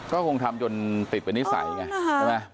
ก็คงทำจนติดเป็นนิสัยไง